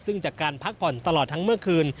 ซึ่งจากการพักผ่อนตลอดทั้งเมื่อคืน